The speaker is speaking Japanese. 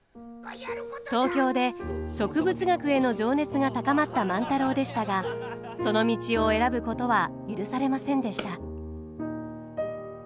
東京で植物学への情熱が高まった万太郎でしたがその道を選ぶことは許されませんでした。